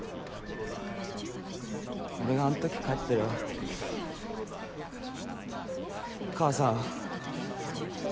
俺があん時帰ってれば母さん。